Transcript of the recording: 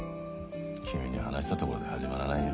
君に話したところで始まらないよ。